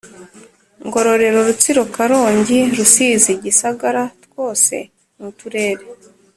Ngororero Rutsiro Karongi Rusizi Gisagara twose ni uturere